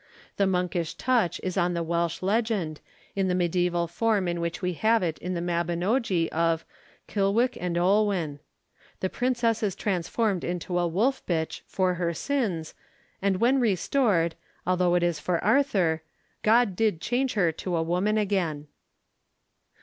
The monkish touch is on the Welsh legend, in the medieval form in which we have it in the Mabinogi of 'Kilhwch and Olwen.' The princess is transformed into a wolf bitch 'for her sins,' and when restored, although it is for Arthur, 'God did change' her to a woman again.